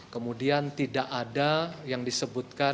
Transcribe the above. kemudian tidak ada yang disebutkan